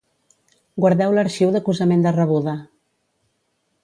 Guardeu l'arxiu d'acusament de rebuda.